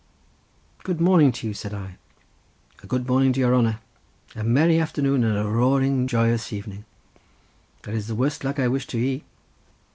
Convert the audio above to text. "Good morning to you," said I. "A good marning to your hanner, a merry afternoon and a roaring joyous evening—that is the worst luck I wish to ye."